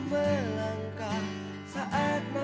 maksudnya kayak eve gak ngerti aku lele